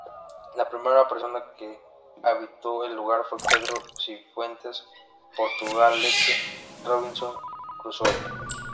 La primera persona que habitó el lugar, fue Pedro Sifuentes Portugalete, Robinson Crusoe.